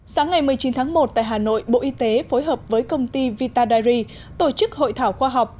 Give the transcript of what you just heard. sáng ngày một mươi chín tháng một tại hà nội bộ y tế phối hợp với công ty vitadari tổ chức hội thảo khoa học